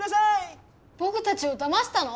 ぼくたちをだましたの？